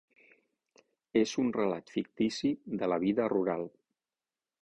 És un relat fictici de la vida rural.